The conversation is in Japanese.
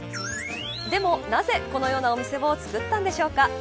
でも、なぜこのようなお店を作ったんでしょうか。